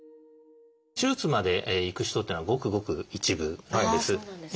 手術までいく人っていうのはごくごく一部なんです。